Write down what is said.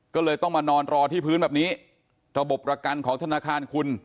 ก็เลยต้องมานอนรอที่พื้นแบบนี้ระบบประกันของธนาคารคุณ